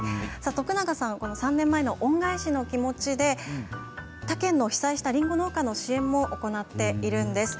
徳永さんは３年前の恩返しの気持ちで他県の被災したりんご農家の支援も行っています。